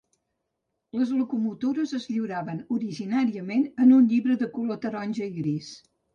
Les locomotores es lliuraven originàriament en un llibre de color taronja i gris.